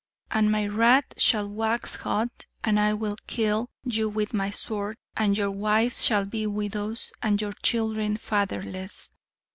'And my wrath shall wax hot, and I will kill you with my sword and your wives shall be widows and your children fatherless.'